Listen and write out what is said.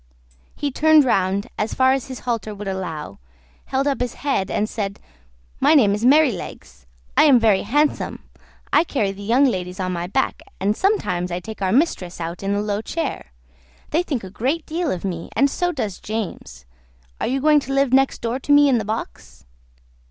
He turned round as far as his halter would allow, held up his head, and said, "My name is Merrylegs. I am very handsome; I carry the young ladies on my back, and sometimes I take our mistress out in the low chair. They think a great deal of me, and so does James. Are you going to live next door to me in the box?"